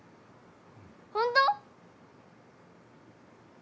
本当！？